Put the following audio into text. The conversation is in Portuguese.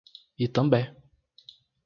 Itambé